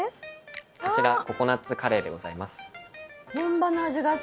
こちらココナッツカレーでございます。